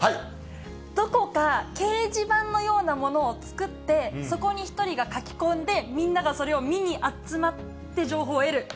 どこか掲示板のようなものを作って、そこに１人がかき込んで、みんながそれを見に集まって情報を得る。